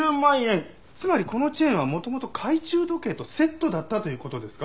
つまりこのチェーンは元々懐中時計とセットだったという事ですか？